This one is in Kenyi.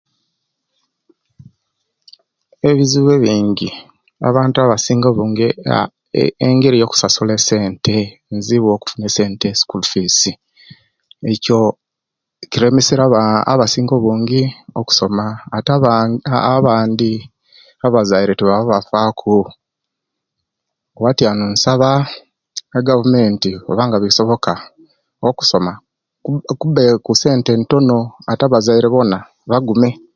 Ebizibu ebingi abantu abasinga obungi aah eeh engeri eyo kusasula esente inzibi okusuna esente sukulu fizi ekyo kiremeserye abaa abasinga obungi okusoma ate abaana bandi abazaire tibabafaku bwatiyanu nsaba egavumenti oba nga bisoboka okusoma kube ku sente intono ate abazaire bona bagume